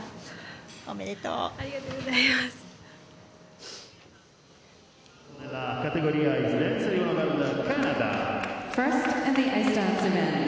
ありがとうございます。